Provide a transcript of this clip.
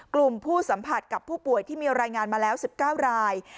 กลุ่มผู้สัมผัสกับผู้ป่วยที่มีรายงานมาแล้ว๑๙ราย